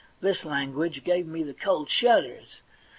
this language gave me the cold shudders.